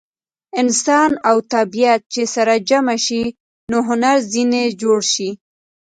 انسان او طبیعت چې سره جمع شي نو هنر ځینې جوړ شي.